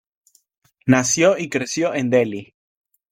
Nació y creció en Delhi.